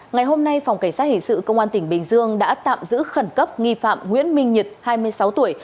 ngày hôm nay phòng cảnh sát hình sự công an tỉnh bình dương đã tạm giữ khẩn cấp nghi phạm nguyễn minh nhật hai mươi sáu tuổi